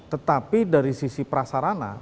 tetapi dari sisi prasarana